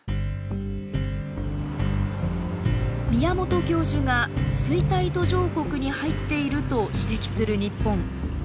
宮本教授が「衰退途上国に入っている」と指摘する日本。